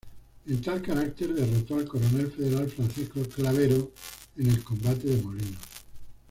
En tal carácter, derrotó al coronel federal Francisco Clavero en el combate de Molinos.